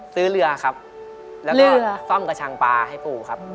ซื้อเรือครับแล้วก็ซ่อมกระชังปลาให้ปู่ครับ